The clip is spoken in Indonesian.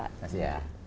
terima kasih pak